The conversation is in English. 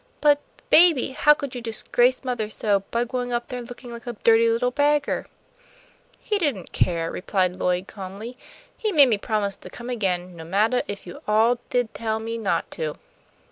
"But, baby, how could you disgrace mother so by going up there looking like a dirty little beggar?" "He didn't care," replied Lloyd, calmly. "He made me promise to come again, no mattah if you all did tell me not to."